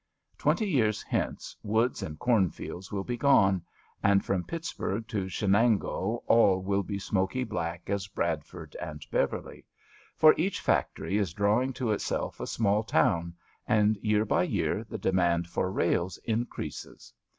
Twenty years hence woods and cornfields will be gone, and from Pittsburg to Shenango all will be smoky black as Bradford and Beverly: for each factory is drawing to itself a small town, and year by year the demand for rails increases.